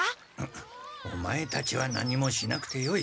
オマエたちは何もしなくてよい。